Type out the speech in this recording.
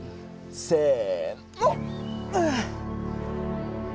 せの。